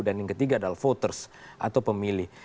dan yang ketiga adalah voters atau pemilih